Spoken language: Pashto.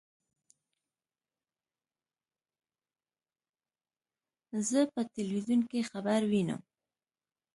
زه په ټلویزیون کې خبر وینم.